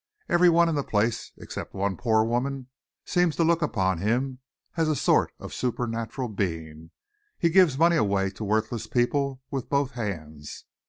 Every one in the place, except one poor woman, seems to look upon him as a sort of supernatural being. He gives money away to worthless people with both hands.